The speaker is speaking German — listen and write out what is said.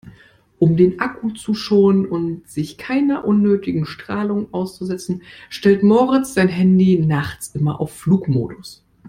Um den Akku zu schonen und sich keiner unnötigen Strahlung auszusetzen, stellt Moritz sein Handy nachts immer auf Flugmodus.